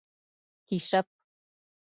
🐢 کېشپ